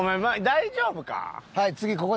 大丈夫か？